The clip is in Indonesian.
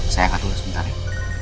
saya akan tulis bentar ya